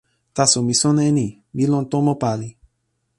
taso mi sona e ni: mi lon tomo pali.